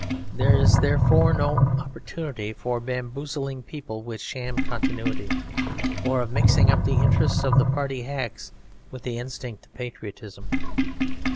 There is therefore no opportunity for bamboozling people with a sham continuity, or of mixing up the interests of the party hacks with the instinct of patriotism.